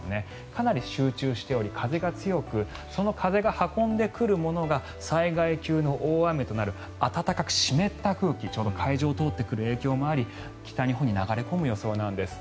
かなり集中しており風が強くその風が運んでくるものが災害級の大雨となる暖かく湿った空気、ちょうど海上を通ってくる影響もあり北日本に流れ込む予想なんです。